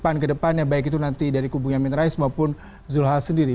pan ke depan yang baik itu nanti dari kubunya min rais maupun zulhas sendiri